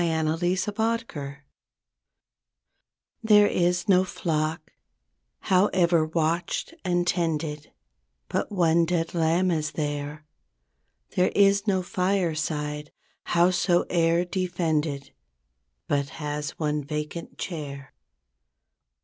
32 TO A FRIEND There is no flock, however watched and tended, But one dead lamb is there. There is no fireside, howsoe'er defended, But has one vacant chair.